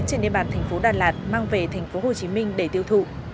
xe máy trên địa bàn thành phố đà lạt mang về thành phố hồ chí minh để tiêu thụ